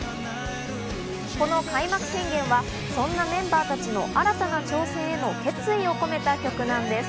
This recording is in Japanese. この『開幕宣言』は、そんなメンバーたちの新たな挑戦への決意を込めた曲なんです。